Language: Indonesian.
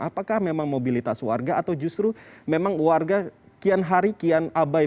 apakah memang mobilitas warga atau justru memang warga kian hari kian abai